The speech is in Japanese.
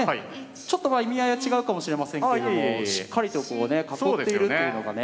ちょっとまあ意味合いは違うかもしれませんけれどもしっかりとこうね囲っているというのがね。